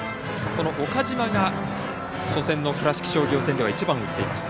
岡島が初戦の倉敷商業戦では１番を打っていました。